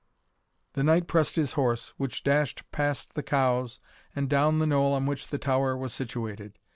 The knight pressed his horse, which dashed past the cows, and down the knoll on which the tower was situated.